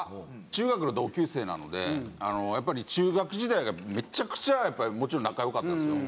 中学の同級生なのでやっぱり中学時代がめちゃくちゃもちろん仲良かったんですよ。